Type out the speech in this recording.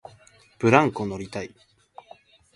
ブランコ乗りたい